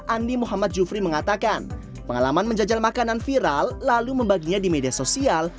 andi muhammad jufri mengatakan pengalaman menjajal makanan viral lalu membaginya di media sosial